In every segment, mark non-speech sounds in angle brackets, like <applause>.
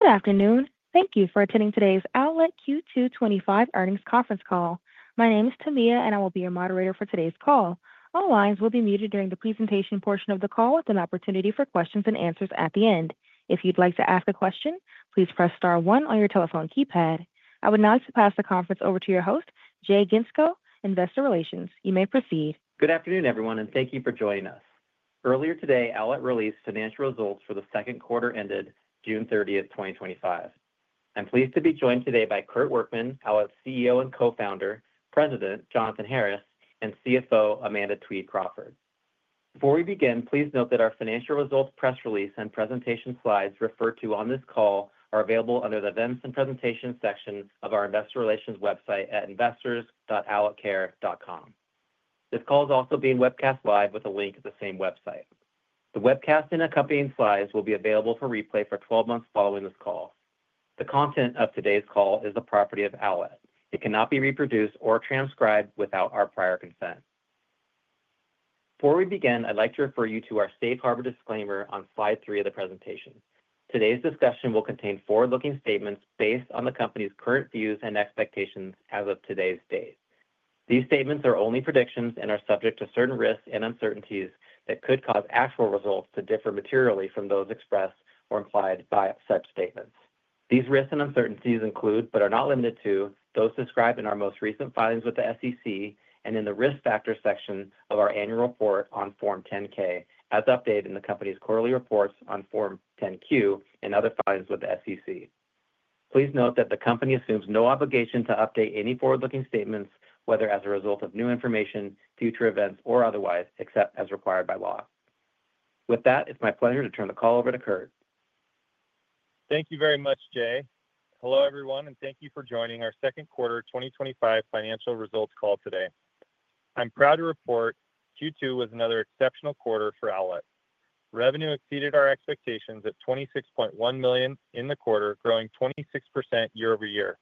Good afternoon. Thank you for attending today's Owlet's Q2 2025 Earnings Conference Call. My name is Tamia, and I will be your moderator for today's call. All lines will be muted during the presentation portion of the call, with an opportunity for questions and answers at the end. If you'd like to ask a question, please press star one on your telephone keypad. I would now like to pass the conference over to your host, Jay Gentzkow, Investor Relations. You may proceed. Good afternoon, everyone, and thank you for joining us. Earlier today, Owlet released financial results for the second quarter ended June 30th, 2025. I'm pleased to be joined today by Kurt Workman, Owlet's CEO and Co-Founder, President Jonathan Harris, and CFO Amanda Crawford. Before we begin, please note that our financial results press release and presentation slides referred to on this call are available under the Events and Presentations section of our Investor Relations website at investors.owletcare.com. This call is also being webcast live with a link to the same website. The webcast and accompanying slides will be available for replay for 12 months following this call. The content of today's call is the property of Owlet. It cannot be reproduced or transcribed without our prior consent. Before we begin, I'd like to refer you to our safe harbor disclaimer on slide three of the presentation. Today's discussion will contain forward-looking statements based on the company's current views and expectations as of today's date. These statements are only predictions and are subject to certain risks and uncertainties that could cause actual results to differ materially from those expressed or implied by such statements. These risks and uncertainties include, but are not limited to, those described in our most recent filings with the SEC and in the risk factors section of our annual report on Form 10-K, as updated in the company's quarterly reports on Form 10-Q and other filings with the SEC. Please note that the company assumes no obligation to update any forward-looking statements, whether as a result of new information, future events, or otherwise, except as required by law. With that, it's my pleasure to turn the call over to Kurt. Thank you very much, Jay. Hello everyone, and thank you for joining our Second Quarter 2025 Financial Results Call today. I'm proud to report Q2 was another exceptional quarter for Owlet. Revenue exceeded our expectations at $26.1 million in the quarter, growing 26% year over year,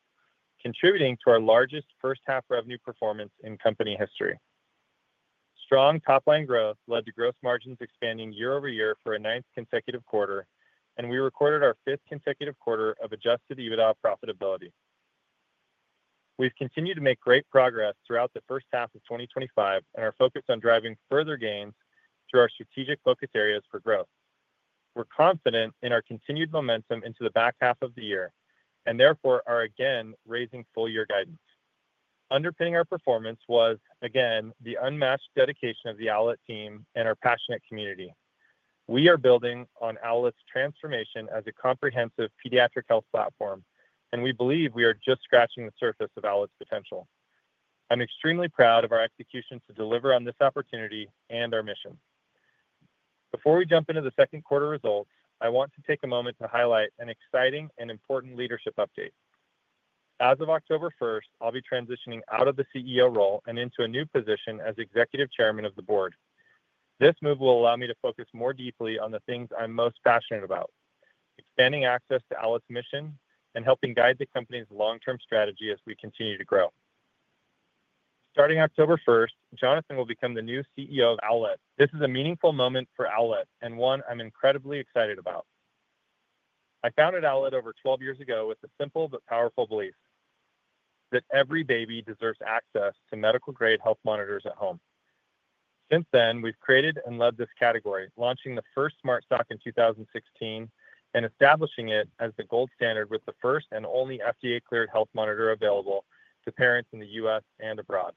contributing to our largest first-half revenue performance in company history. Strong top-line growth led to gross margins expanding year over year for a ninth consecutive quarter, and we recorded our fifth consecutive quarter of adjusted EBITDA profitability. We've continued to make great progress throughout the first half of 2025 and are focused on driving further gains through our strategic focus areas for growth. We're confident in our continued momentum into the back half of the year and therefore are again raising full-year guidance. Underpinning our performance was, again, the unmatched dedication of the Owlet team and our passionate community. We are building on Owlet's transformation as a comprehensive pediatric health platform, and we believe we are just scratching the surface of Owlet's potential. I'm extremely proud of our execution to deliver on this opportunity and our mission. Before we jump into the second quarter results, I want to take a moment to highlight an exciting and important leadership update. As of October 1st, I'll be transitioning out of the CEO role and into a new position as Executive Chairman of the Board. This move will allow me to focus more deeply on the things I'm most passionate about: expanding access to Owlet's mission and helping guide the company's long-term strategy as we continue to grow. Starting October 1st, Jonathan will become the new CEO of Owlet. This is a meaningful moment for Owlet and one I'm incredibly excited about. I founded Owlet over 12 years ago with a simple but powerful belief: that every baby deserves access to medical-grade health monitors at home. Since then, we've created and loved this category, launching the first Smart Sock in 2016 and establishing it as the gold standard with the first and only FDA-cleared health monitor available to parents in the U.S. and abroad.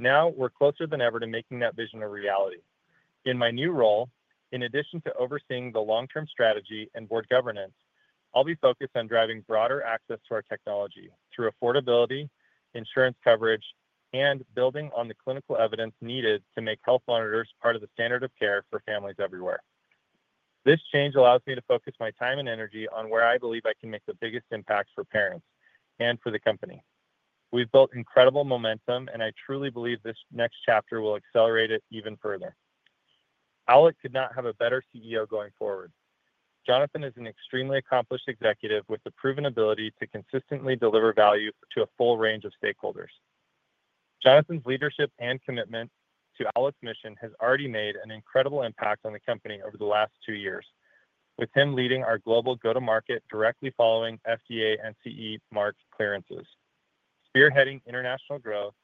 Now we're closer than ever to making that vision a reality. In my new role, in addition to overseeing the long-term strategy and Board governance, I'll be focused on driving broader access to our technology through affordability, insurance coverage, and building on the clinical evidence needed to make health monitors part of the standard of care for families everywhere. This change allows me to focus my time and energy on where I believe I can make the biggest impacts for parents and for the company. We've built incredible momentum, and I truly believe this next chapter will accelerate it even further. Owlet could not have a better CEO going forward. Jonathan is an extremely accomplished executive with the proven ability to consistently deliver value to a full range of stakeholders. Jonathan's leadership and commitment to Owlet's mission has already made an incredible impact on the company over the last two years, with him leading our global go-to-market, directly following FDA and CE marked clearances, spearheading international growth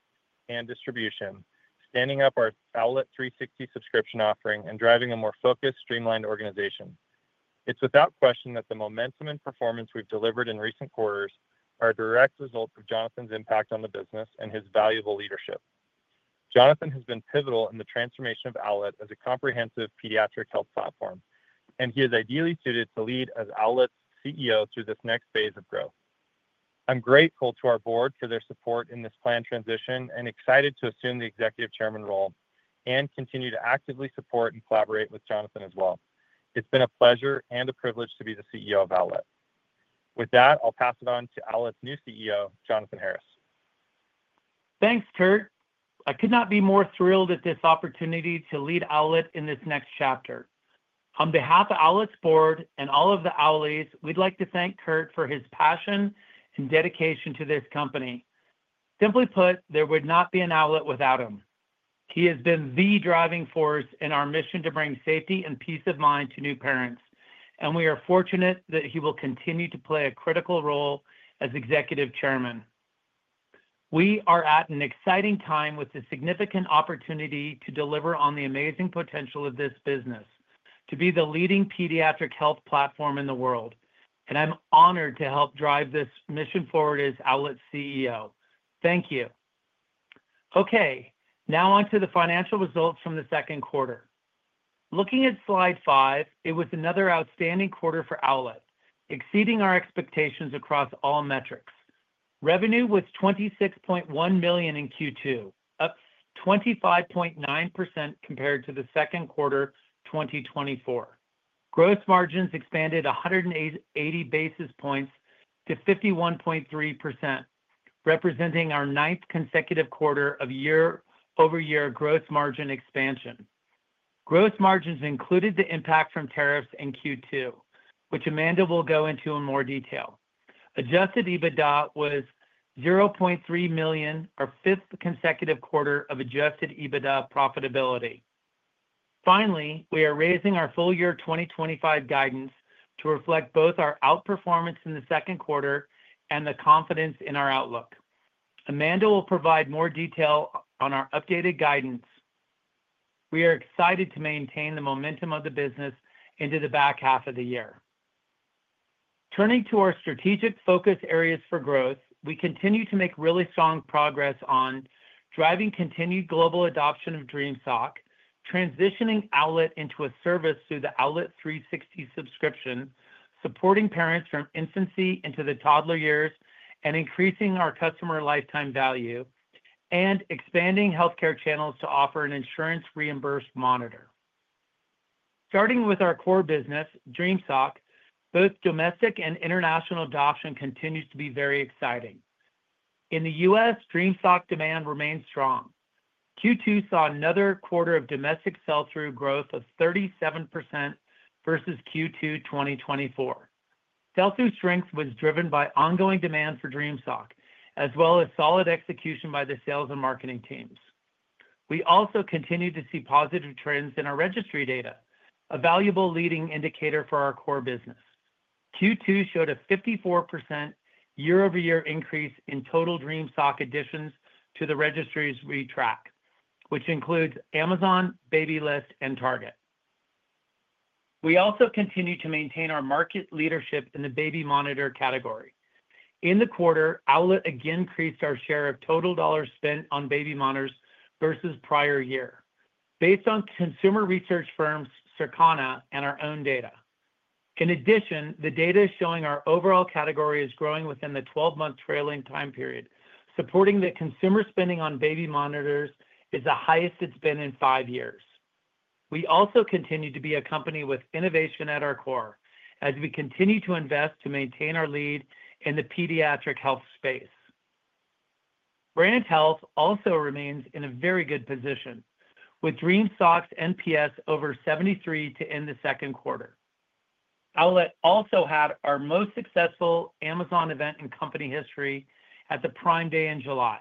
and distribution, standing up our Owlet360 subscription offering, and driving a more focused, streamlined organization. It's without question that the momentum and performance we've delivered in recent quarters are a direct result of Jonathan's impact on the business and his valuable leadership. Jonathan has been pivotal in the transformation of Owlet as a comprehensive pediatric health platform, and he is ideally suited to lead as Owlet's CEO through this next phase of growth. I'm grateful to our Board for their support in this planned transition and excited to assume the Executive Chairman role and continue to actively support and collaborate with Jonathan as well. It's been a pleasure and a privilege to be the CEO of Owlet. With that, I'll pass it on to Owlet's new CEO, Jonathan Harris. Thanks, Kurt. I could not be more thrilled at this opportunity to lead Owlet in this next chapter. On behalf of Owlet's board and all of the Owlets, we'd like to thank Kurt for his passion and dedication to this company. Simply put, there would not be an Owlet without him. He has been the driving force in our mission to bring safety and peace of mind to new parents, and we are fortunate that he will continue to play a critical role as Executive Chairman. We are at an exciting time with the significant opportunity to deliver on the amazing potential of this business, to be the leading pediatric health platform in the world, and I'm honored to help drive this mission forward as Owlet's CEO. Thank you. Okay, now on to the financial results from the second quarter. Looking at slide five, it was another outstanding quarter for Owlet, exceeding our expectations across all metrics. Revenue was $26.1 million in Q2, up 25.9% compared to the second quarter of 2024. Gross margins expanded 180 basis points to 51.3%, representing our ninth consecutive quarter of year-over-year gross margin expansion. Gross margins included the impact from tariffs in Q2, which Amanda will go into in more detail. Adjusted EBITDA was $0.3 million, our fifth consecutive quarter of adjusted EBITDA profitability. Finally, we are raising our full-year 2025 guidance to reflect both our outperformance in the second quarter and the confidence in our outlook. Amanda will provide more detail on our updated guidance. We are excited to maintain the momentum of the business into the back half of the year. Turning to our strategic focus areas for growth, we continue to make really strong progress on driving continued global adoption of Dream Sock, transitioning Owlet into a service through the Owlet360 subscription, supporting parents from infancy into the toddler years, and increasing our customer lifetime value, and expanding healthcare channels to offer an insurance-reimbursed monitor. Starting with our core business, Dream Sock, both domestic and international adoption continues to be very exciting. In the U.S., Dream Sock demand remains strong. Q2 saw another quarter of domestic sell-through growth of 37% versus Q2 2024. Sell-through strength was driven by ongoing demand for Dream Sock, as well as solid execution by the sales and marketing teams. We also continue to see positive trends in our registry data, a valuable leading indicator for our core business. Q2 showed a 54% year-over-year increase in total Dream Sock additions to the registries we track, which includes Amazon, Babylit, and Target. We also continue to maintain our market leadership in the baby monitor category. In the quarter, Owlet again increased our share of total dollars spent on baby monitors versus prior year, based on consumer research firms Circana and our own data. In addition, the data is showing our overall category is growing within the 12-month trailing time period, supporting that consumer spending on baby monitors is the highest it's been in five years. We also continue to be a company with innovation at our core as we continue to invest to maintain our lead in the pediatric health space. Brand health also remains in a very good position, with Dream Sock's NPS over 73 to end the second quarter. Owlet also had our most successful Amazon event in company history at the Prime Day in July.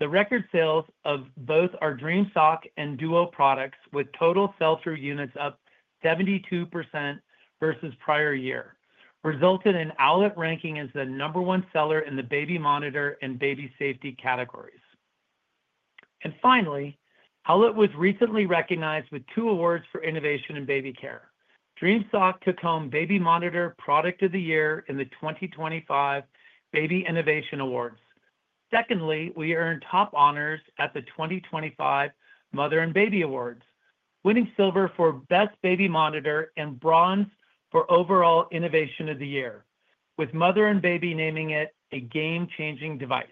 The record sales of both our Dream Sock and Dream Duo products with total sell-through units up 72% versus prior year resulted in Owlet ranking as the number one seller in the baby monitor and baby safety categories. Finally, Owlet was recently recognized with two awards for innovation in baby care. Dream Sock took home Baby Monitor Product of the Year in the 2025 Baby Innovation Awards. Secondly, we earned top honors at the 2025 Mother&Baby Awards, winning silver for Best Baby Monitor and bronze for Overall Innovation of the Year, with Mother&Baby naming it a game-changing device.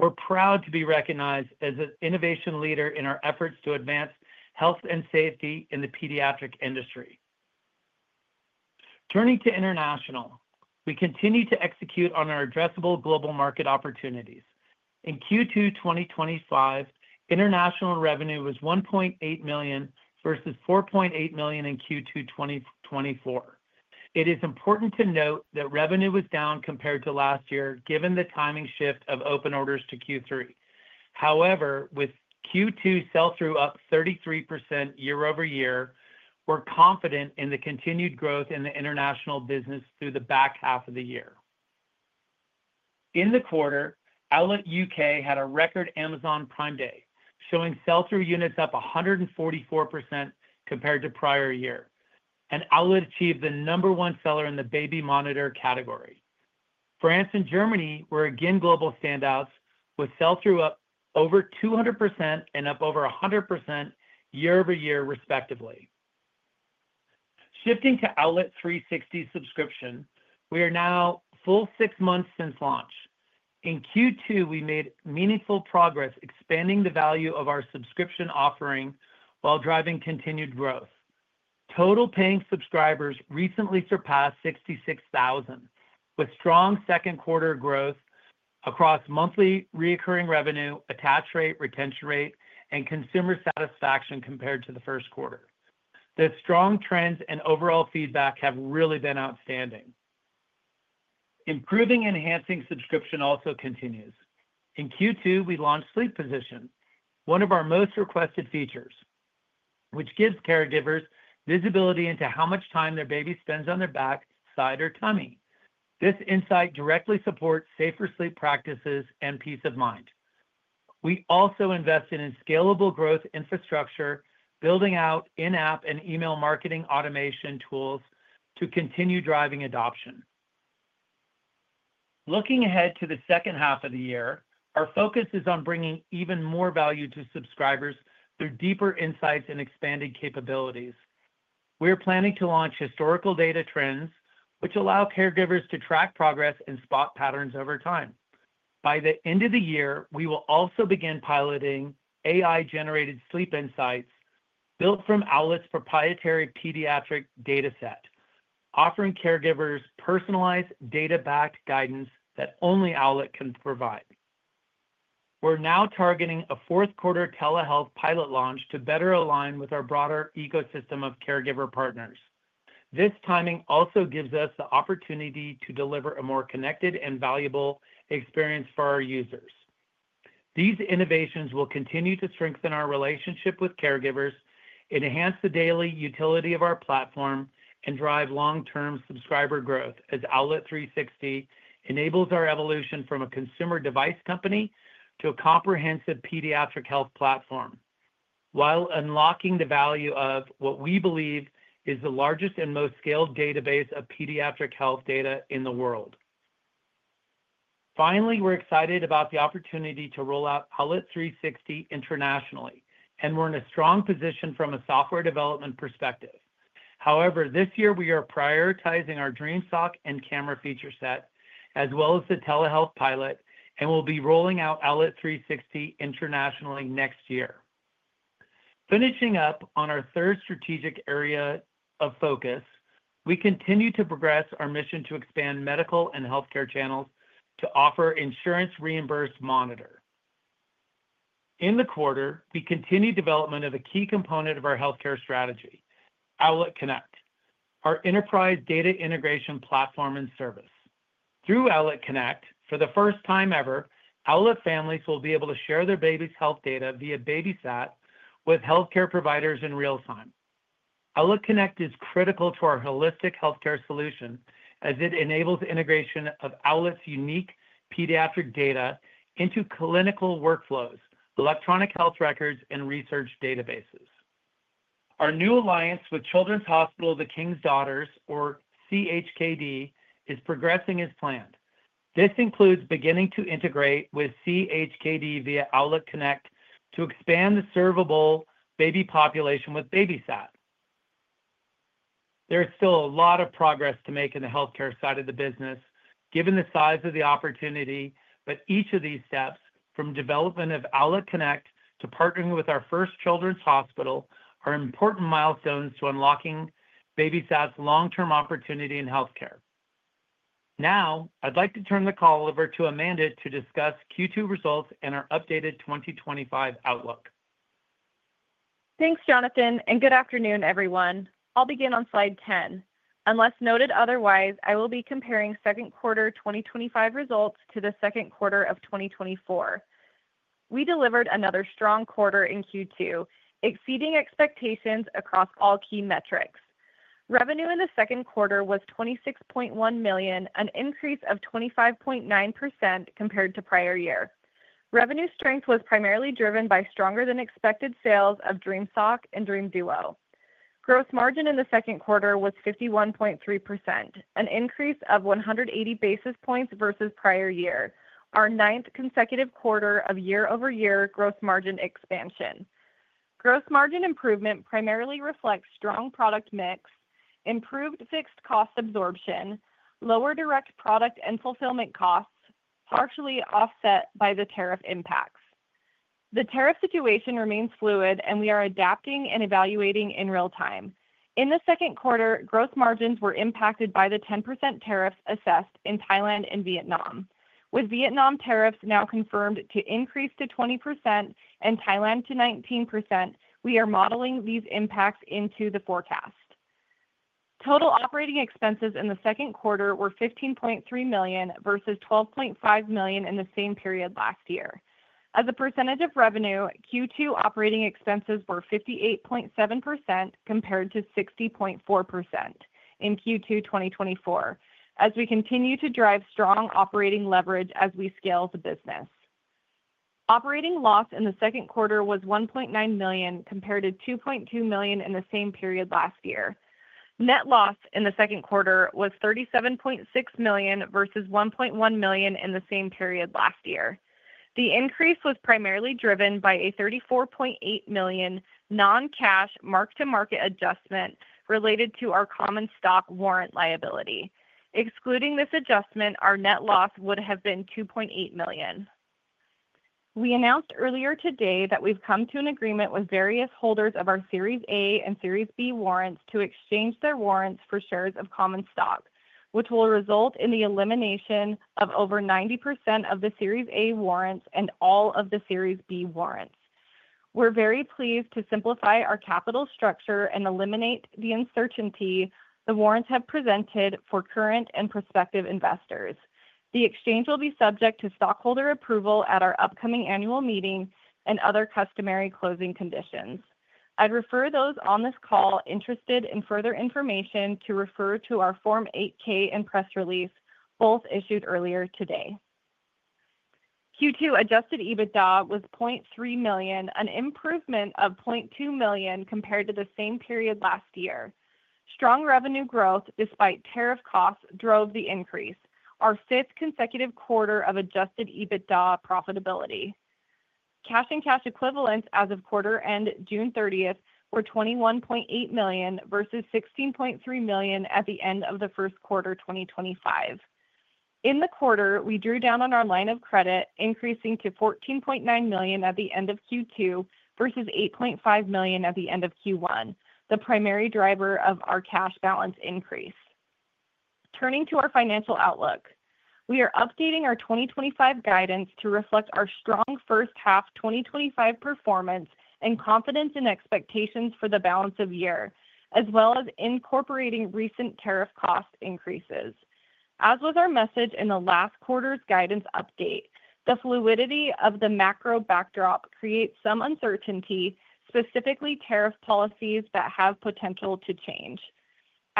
We're proud to be recognized as an innovation leader in our efforts to advance health and safety in the pediatric industry. Turning to international, we continue to execute on our addressable global market opportunities. In Q2 2025, international revenue was $1.8 million versus $4.8 million in Q2 2024. It is important to note that revenue was down compared to last year, given the timing shift of open orders to Q3. However, with Q2 sell-through up 33% year-over-year, we're confident in the continued growth in the international business through the back half of the year. In the quarter, Owlet UK had a record Amazon Prime Day, showing sell-through units up 144% compared to prior year, and Owlet achieved the number one seller in the baby monitor category. France and Germany were again global standouts, with sell-through up over 200% and up over 100% year-over-year, respectively. Shifting to Owlet360 subscription, we are now full six months since launch. In Q2, we made meaningful progress expanding the value of our subscription offering while driving continued growth. Total paying subscribers recently surpassed 66,000, with strong second quarter growth across monthly recurring revenue, attach rate, retention rate, and consumer satisfaction compared to the first quarter. The strong trends and overall feedback have really been outstanding. Improving and enhancing subscription also continues. In Q2, we launched Sleep Position, one of our most requested features, which gives caregivers visibility into how much time their baby spends on their back, side, or tummy. This insight directly supports safer sleep practices and peace of mind. We also invested in scalable growth infrastructure, building out in-app and email marketing automation tools to continue driving adoption. Looking ahead to the second half of the year, our focus is on bringing even more value to subscribers through deeper insights and expanded capabilities. We are planning to launch historical data trends, which allow caregivers to track progress and spot patterns over time. By the end of the year, we will also begin piloting AI-generated sleep insights built from Owlet's proprietary pediatric data set, offering caregivers personalized data-backed guidance that only Owlet can provide. We're now targeting a fourth quarter telehealth pilot launch to better align with our broader ecosystem of caregiver partners. This timing also gives us the opportunity to deliver a more connected and valuable experience for our users. These innovations will continue to strengthen our relationship with caregivers, enhance the daily utility of our platform, and drive long-term subscriber growth as Owlet360 enables our evolution from a consumer device company to a comprehensive pediatric health platform, while unlocking the value of what we believe is the largest and most scaled database of pediatric health data in the world. Finally, we're excited about the opportunity to roll out Owlet360 internationally, and we're in a strong position from a software development perspective. However, this year we are prioritizing our Dream Sock and camera feature set, as well as the telehealth pilot, and we'll be rolling out Owlet360 internationally next year. Finishing up on our third strategic area of focus, we continue to progress our mission to expand medical and healthcare channels to offer insurance-reimbursed monitor. In the quarter, we continue development of a key component of our healthcare strategy, Owlet Connect, our enterprise data integration platform and service. Through Owlet Connect, for the first time ever, Owlet families will be able to share their baby's health data via BabySat with healthcare providers in real time. Owlet Connect is critical to our holistic healthcare solution, as it enables integration of Owlet's unique pediatric data into clinical workflows, electronic health records, and research databases. Our new alliance with Children’s Hospital of the King’s Daughters, or CHKD, is progressing as planned. This includes beginning to integrate with CHKD via Owlet Connect to expand the servable baby population with BabySat. There's still a lot of progress to make in the healthcare side of the business, given the size of the opportunity, but each of these steps, from development of Owlet Connect to partnering with our first children's hospital, are important milestones to unlocking BabySat's long-term opportunity in healthcare. Now, I'd like to turn the call over to Amanda to discuss Q2 results and our updated 2025 outlook. Thanks, Jonathan, and good afternoon, everyone. I'll begin on slide 10. Unless noted otherwise, I will be comparing second quarter 2025 results to the second quarter of 2024. We delivered another strong quarter in Q2, exceeding expectations across all key metrics. Revenue in the second quarter was $26.1 million, an increase of 25.9% compared to prior year. Revenue strength was primarily driven by stronger than expected sales of Dream Sock and Dream Duo. Gross margin in the second quarter was 51.3%, an increase of 180 basis points versus prior year, our ninth consecutive quarter of year-over-year gross margin expansion. Gross margin improvement primarily reflects strong product mix, improved fixed cost absorption, lower direct product and fulfillment costs, partially offset by the tariff impacts. The tariff situation remains fluid, and we are adapting and evaluating in real time. In the second quarter, gross margins were impacted by the 10% tariffs assessed in Thailand and Vietnam. With Vietnam tariffs now confirmed to increase to 20% and Thailand to 19%, we are modeling these impacts into the forecast. Total operating expenses in the second quarter were $15.3 million versus $12.5 million in the same period last year. As a percentage of revenue, Q2 operating expenses were 58.7% compared to 60.4% in Q2 2024, as we continue to drive strong operating leverage as we scale the business. Operating loss in the second quarter was $1.9 million compared to $2.2 million in the same period last year. Net loss in the second quarter was $37.6 million versus $1.1 million in the same period last year. The increase was primarily driven by a $34.8 million non-cash mark-to-market adjustment related to our common stock warrant liability. Excluding this adjustment, our net loss would have been $2.8 million. We announced earlier today that we've come to an agreement with various holders of our Series A and Series B warrants to exchange their warrants for shares of common stock, which will result in the elimination of over 90% of the Series A warrants and all of the Series B warrants. We're very pleased to simplify our capital structure and eliminate the uncertainty the warrants have presented for current and prospective investors. The exchange will be subject to stockholder approval at our upcoming annual meeting and other customary closing conditions. I'd refer those on this call interested in further information to refer to our Form 8-K and press release, both issued earlier today. Q2 adjusted EBITDA was $0.3 million, an improvement of $0.2 million compared to the same period last year. Strong revenue growth, despite tariff costs, drove the increase, our fifth consecutive quarter of adjusted EBITDA profitability. Cash and cash equivalents as of quarter end June 30 were $21.8 million versus $16.3 million at the end of the first quarter 2025. In the quarter, we drew down on our line of credit, increasing to $14.9 million at the end of Q2 versus $8.5 million at the end of Q1, the primary driver of our cash balance increase. Turning to our financial outlook, we are updating our 2025 guidance to reflect our strong first half 2025 performance and confidence in expectations for the balance of year, as well as incorporating recent tariff cost increases. As was our message in the last quarter's guidance update, the fluidity of the macro backdrop creates some uncertainty, specifically tariff policies that have potential to change.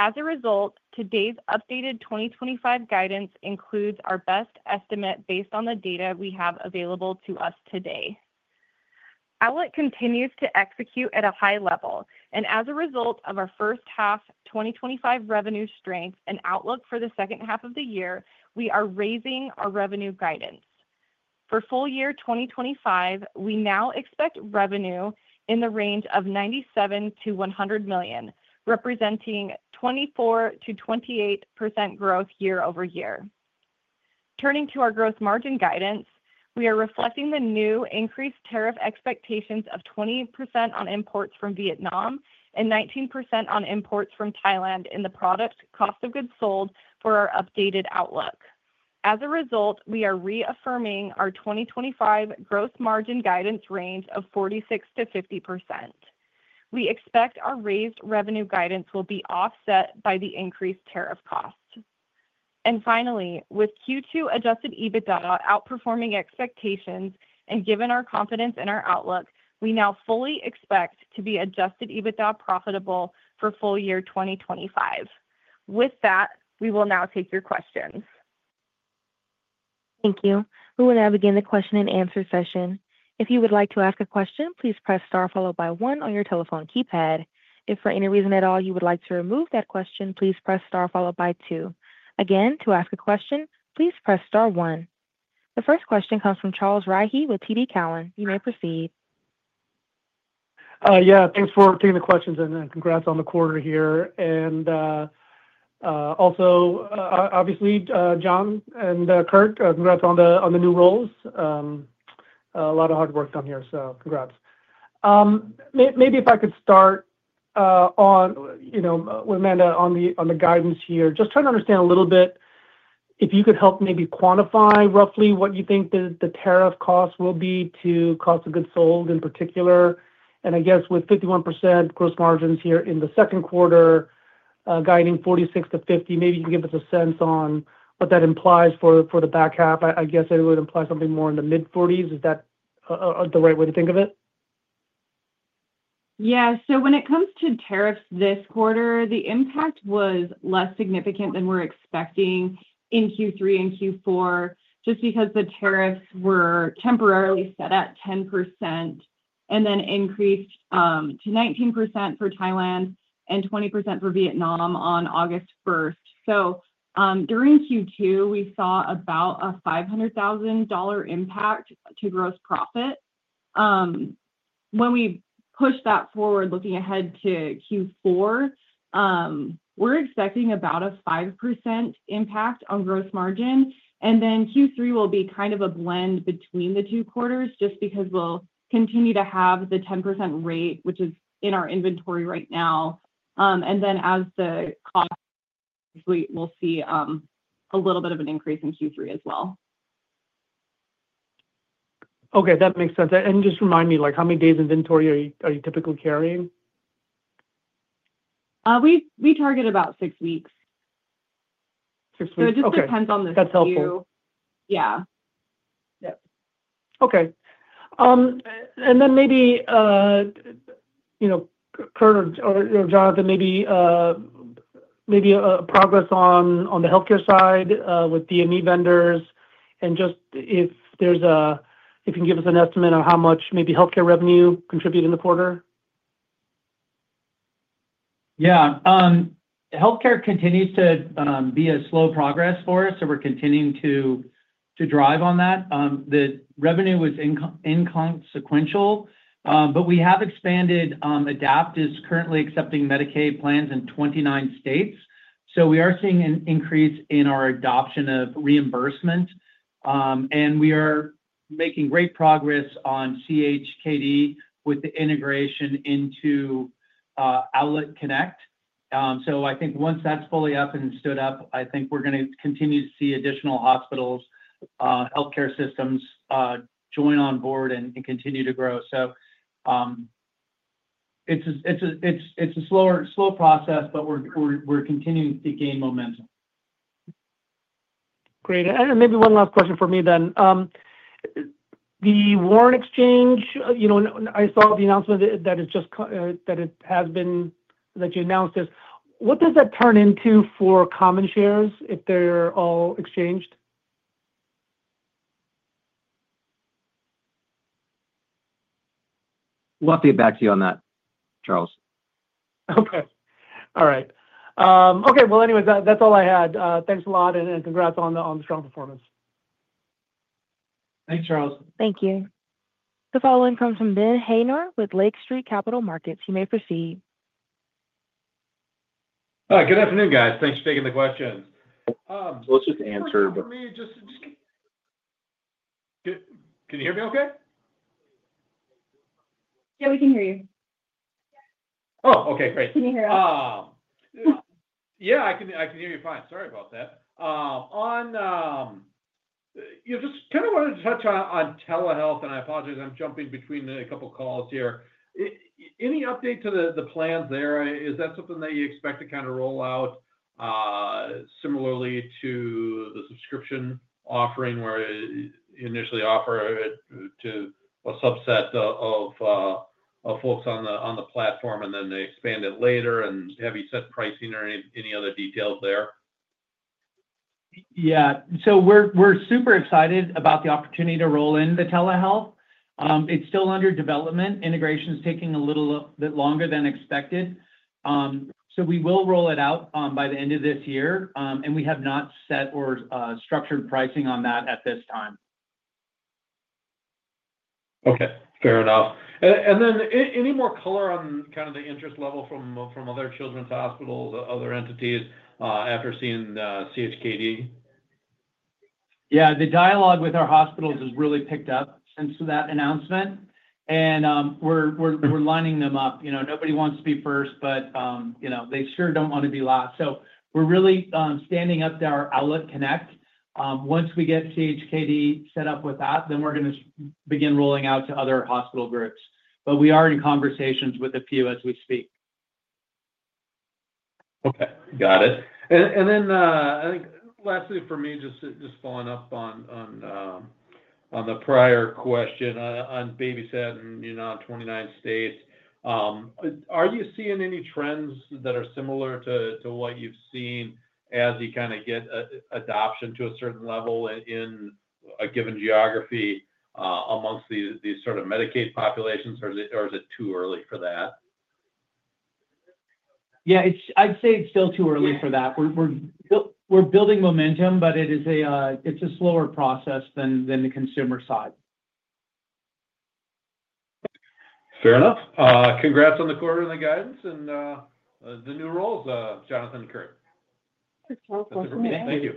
As a result, today's updated 2025 guidance includes our best estimate based on the data we have available to us today. Owlet continues to execute at a high level, and as a result of our first half 2025 revenue strength and outlook for the second half of the year, we are raising our revenue guidance. For full year 2025, we now expect revenue in the range of $97 million-$100 million, representing 24%-28% growth year-over-year. Turning to our gross margin guidance, we are reflecting the new increased tariff expectations of 20% on imports from Vietnam and 19% on imports from Thailand in the product cost of goods sold for our updated outlook. As a result, we are reaffirming our 2025 gross margin guidance range of 46%-50%. We expect our raised revenue guidance will be offset by the increased tariff costs. Finally, with Q2 adjusted EBITDA outperforming expectations and given our confidence in our outlook, we now fully expect to be adjusted EBITDA profitable for full year 2025. With that, we will now take your questions. Thank you. We will now begin the question and answer session. If you would like to ask a question, please press star followed by one on your telephone keypad. If for any reason at all you would like to remove that question, please press star followed by two. Again, to ask a question, please press star one. The first question comes from Charles Rhyee with TD Cowen. You may proceed. Yeah, thanks for taking the questions and congrats on the quarter here. Also, obviously, John and Kurt, congrats on the new roles. A lot of hard work done here, so congrats. Maybe if I could start with Amanda on the guidance here, just trying to understand a little bit if you could help maybe quantify roughly what you think the tariff cost will be to cost of goods sold in particular. I guess with 51% gross margins here in the second quarter, guiding 46%-50%, maybe you can give us a sense on what that implies for the back half. I guess it would imply something more in the mid-40%. Is that the right way to think of it? Yeah, so when it comes to tariffs this quarter, the impact was less significant than we're expecting in Q3 and Q4 just because the tariffs were temporarily set at 10% and then increased to 19% for Thailand and 20% for Vietnam on August 1. During Q2, we saw about a $500,000 impact to gross profit. When we push that forward, looking ahead to Q4, we're expecting about a 5% impact on gross margin. Q3 will be kind of a blend between the two quarters just because we'll continue to have the 10% rate, which is in our inventory right now, and as the cost, we'll see a little bit of an increase in Q3 as well. Okay, that makes sense. Just remind me, like how many days inventory are you typically carrying? We target about six weeks. Six weeks... It just depends on the Q. That's helpful. Yeah. Okay. Kurt or Jonathan, maybe a progress on the healthcare side with DME vendors and if there's a, if you can give us an estimate on how much maybe healthcare revenue contributed in the quarter. Yeah, healthcare continues to be a slow progress for us, so we're continuing to drive on that. The revenue was inconsequential, but we have expanded. ADAPT is currently accepting Medicaid plans in 29 states, so we are seeing an increase in our adoption of reimbursement. We are making great progress on CHKD with the integration into Owlet Connect. I think once that's fully up and stood up, we're going to continue to see additional hospitals' healthcare systems join on board and continue to grow. It's a slow process, but we're continuing to gain momentum. Great. Maybe one last question for me then. The warrant exchange, I saw the announcement that it has been, that you announced this. What does that turn into for common shares if they're all exchanged? We'll have to get back to you on that, Charles. All right. That's all I had. Thanks a lot, and congrats on the strong performance. Thanks, Charles. Thank you. The following comes from Ben Haynor with Lake Street Capital Markets. You may proceed. Hi, good afternoon, guys. Thanks for taking the question. <crosstalk> Can you hear me? Can you hear me okay? Yeah, we can hear you. Oh, okay. Great. Can you hear us? Yeah, I can hear you fine. Sorry about that. I just kind of wanted to touch on telehealth, and I apologize. I'm jumping between a couple of calls here. Any update to the plans there? Is that something that you expect to kind of roll out, similarly to the subscription offering where you initially offer it to a subset of folks on the platform, and then they expand it later? Have you set pricing or any other details there? Yeah, we're super excited about the opportunity to roll in the telehealth. It's still under development. Integration is taking a little bit longer than expected, so we will roll it out by the end of this year, and we have not set or structured pricing on that at this time. Okay, fair enough. Any more color on the interest level from other children's hospitals or other entities after seeing CHKD? Yeah, the dialogue with our hospitals has really picked up since that announcement. We're lining them up. You know, nobody wants to be first, but you know, they sure don't want to be last. We're really standing up to our Owlet Connect. Once we get CHKD set up with that, we're going to begin rolling out to other hospital groups. We are in conversations with a few as we speak. Okay, got it. Lastly for me, just following up on the prior question on BabySat and, you know, on 29 states, are you seeing any trends that are similar to what you've seen as you kind of get adoption to a certain level in a given geography, amongst these Medicaid populations, or is it too early for that? Yeah, I'd say it's still too early for that. We're building momentum, but it is a slower process than the consumer side. Fair enough. Congrats on the quarter and the guidance and the new roles, Jonathan and Kurt. <audio distortion> Thank you.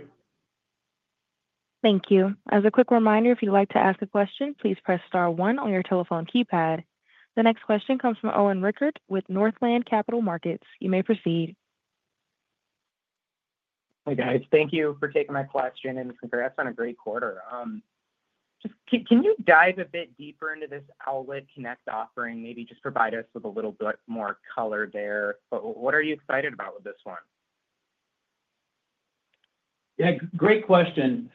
Thank you. As a quick reminder, if you'd like to ask a question, please press star one on your telephone keypad. The next question comes from Owen Rickert with Northland Capital Markets. You may proceed. Hi, guys. Thank you for taking my question and congrats on a great quarter. Can you dive a bit deeper into this Owlet Connect offering? Maybe just provide us with a little bit more color there. What are you excited about with this one? Yeah, great question.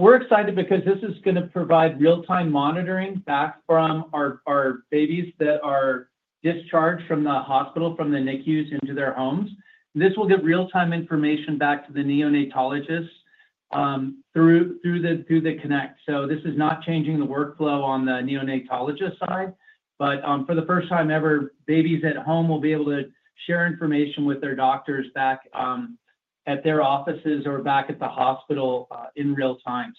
We're excited because this is going to provide real-time monitoring back from our babies that are discharged from the hospital, from the NICUs into their homes. This will give real-time information back to the neonatologists through the Connect. This is not changing the workflow on the neonatologist side, but for the first time ever, babies at home will be able to share information with their doctors back at their offices or back at the hospital in real time.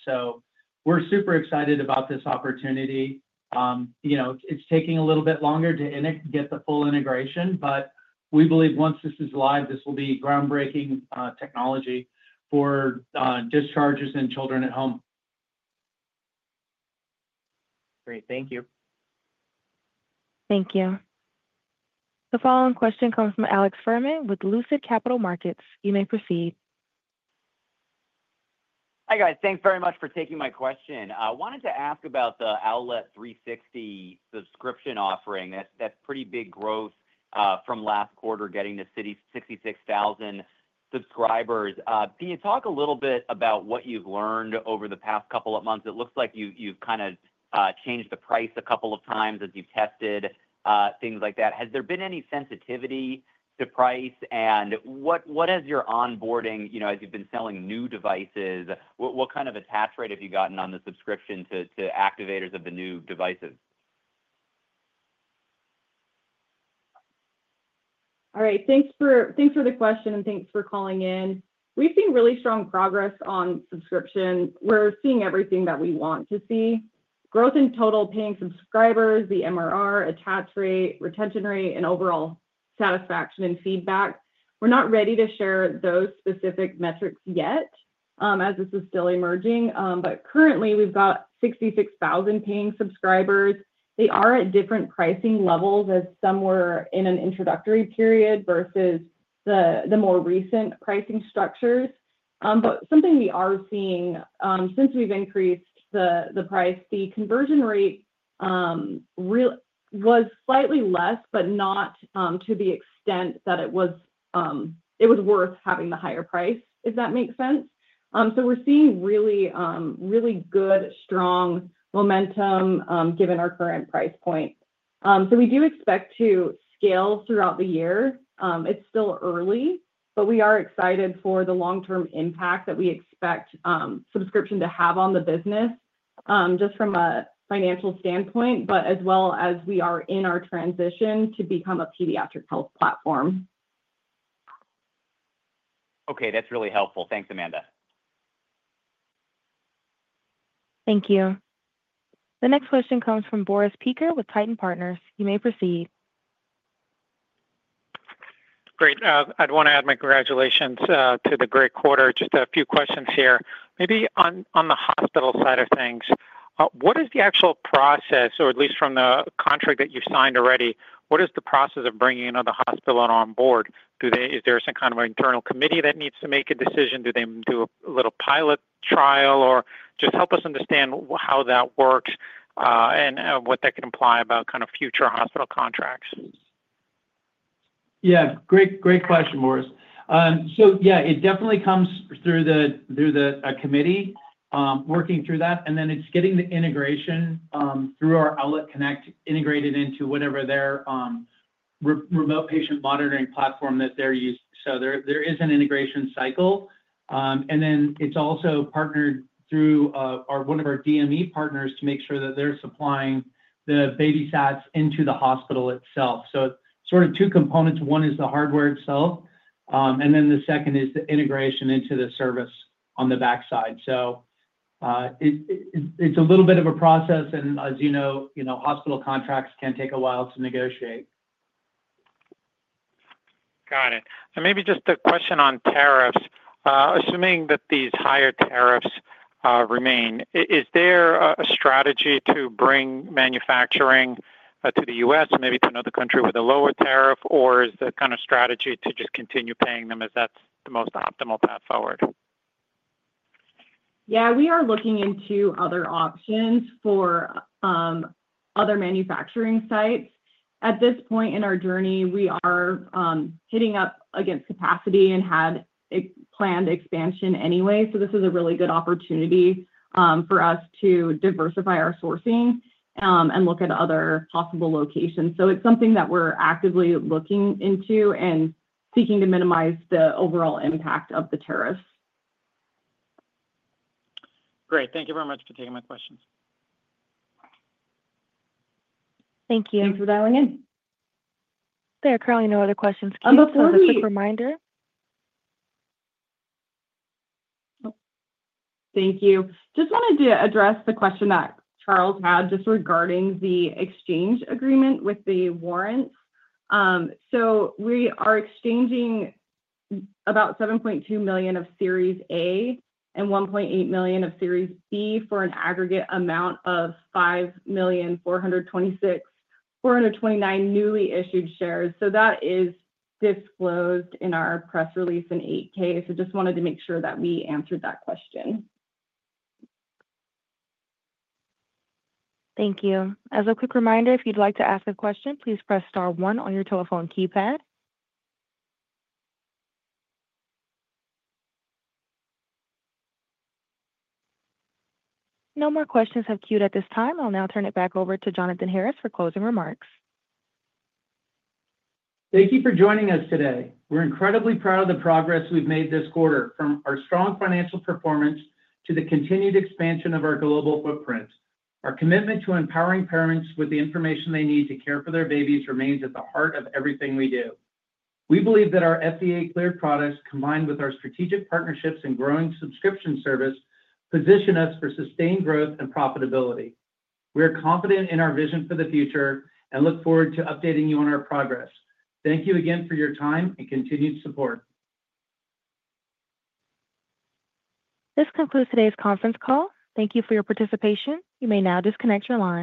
We're super excited about this opportunity. It's taking a little bit longer to get the full integration, but we believe once this is live, this will be groundbreaking technology for discharges and children at home. Great. Thank you. Thank you. The following question comes from Alex Fuhrman with Lucid Capital Markets. You may proceed. Hi guys, thanks very much for taking my question. I wanted to ask about the Owlet360 subscription offering. That's pretty big growth from last quarter, getting to 66,000 subscribers. Can you talk a little bit about what you've learned over the past couple of months? It looks like you've kind of changed the price a couple of times as you've tested things like that. Has there been any sensitivity to price? What has your onboarding, as you've been selling new devices, what kind of attach rate have you gotten on the subscription to activators of the new devices? All right, thanks for the question and thanks for calling in. We've seen really strong progress on subscription. We're seeing everything that we want to see: growth in total paying subscribers, the MRR, attach rate, retention rate, and overall satisfaction and feedback. We're not ready to share those specific metrics yet as this is still emerging. Currently, we've got 66,000 paying subscribers. They are at different pricing levels as some were in an introductory period versus the more recent pricing structures. Something we are seeing, since we've increased the price, the conversion rate was slightly less, but not to the extent that it was worth having the higher price, if that makes sense. We're seeing really, really good, strong momentum given our current price point. We do expect to scale throughout the year. It's still early, but we are excited for the long-term impact that we expect subscription to have on the business just from a financial standpoint, as well as we are in our transition to become a pediatric health platform. Okay, that's really helpful. Thanks, Amanda. Thank you. The next question comes from Boris Peaker with Titan Partners. You may proceed. Great. I'd want to add my congratulations to the great quarter. Just a few questions here. Maybe on the hospital side of things, what is the actual process, or at least from the contract that you signed already, what is the process of bringing another hospital on board? Is there some kind of an internal committee that needs to make a decision? Do they do a little pilot trial or just help us understand how that works and what that could imply about kind of future hospital contracts? Yeah, great question, Morris. It definitely comes through the committee working through that. Then it's getting the integration through our Owlet Connect integrated into whatever their remote patient monitoring platform that they're using. There is an integration cycle. It's also partnered through one of our DME partners to make sure that they're supplying the BabySat into the hospital itself. It's sort of two components. One is the hardware itself, and the second is the integration into the service on the backside. It's a little bit of a process, and as you know, hospital contracts can take a while to negotiate. Got it. Maybe just the question on tariffs. Assuming that these higher tariffs remain, is there a strategy to bring manufacturing to the U.S., maybe to another country with a lower tariff, or is the kind of strategy to just continue paying them as that's the most optimal path forward? We are looking into other options for other manufacturing sites. At this point in our journey, we are hitting up against capacity and had a planned expansion anyway. This is a really good opportunity for us to diversify our sourcing and look at other possible locations. It is something that we're actively looking into and seeking to minimize the overall impact of the tariffs. Great. Thank you very much for taking my questions. Thank you for dialing in. There are currently no other questions. Before we... a quick reminder. Thank you. Just wanted to address the question that Charles had just regarding the exchange agreement with the warrant. We are exchanging about $7.2 million of Series A and $1.8 million of Series B for an aggregate amount of 5,429,000 newly issued shares. That is disclosed in our press release in 8-K, just wanted to make sure that we answered that question. Thank you. As a quick reminder, if you'd like to ask a question, please press star one on your telephone keypad. No more questions have queued at this time. I'll now turn it back over to Jonathan Harris for closing remarks. Thank you for joining us today. We're incredibly proud of the progress we've made this quarter, from our strong financial performance to the continued expansion of our global footprint. Our commitment to empowering parents with the information they need to care for their babies remains at the heart of everything we do. We believe that our FDA-cleared products, combined with our strategic partnerships and growing subscription service, position us for sustained growth and profitability. We are confident in our vision for the future and look forward to updating you on our progress. Thank you again for your time and continued support. This concludes today's conference call. Thank you for your participation. You may now disconnect your line.